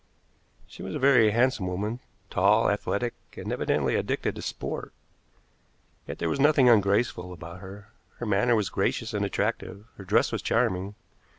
She was a very handsome woman, tall, athletic, and evidently addicted to sport. Yet there was nothing ungraceful about her. Her manner was gracious and attractive, her dress was charming.